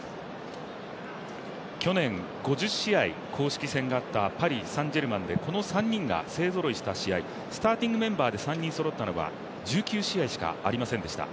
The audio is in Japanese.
去年、５０試合公式戦があったパリ・サン＝ジェルマンでこの３人が勢ぞろいした試合スターティングメンバーで３人そろったのは１９試合しかありませんでした。